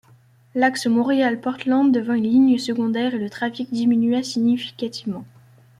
L'axe Montréal-Portland devint une ligne secondaire et le trafic diminua significativement.